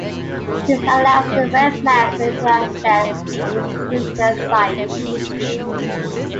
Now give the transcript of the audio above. This allows the webmaster to assess and improve their site.